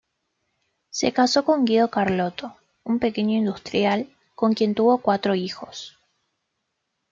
Se casó con Guido Carlotto, un pequeño industrial, con quien tuvo cuatro hijos.